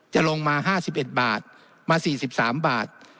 จะลงมาห้าสิบเอ็ดบาทมาสี่สิบสามบาท